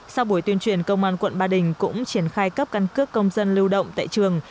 sau buổi tuyên truyền công an quận ba đình cũng triển khai cấp căn cước công dân lưu động tại trường